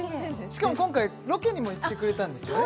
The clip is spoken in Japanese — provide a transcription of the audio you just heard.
しかも今回ロケにも行ってくれたんですよね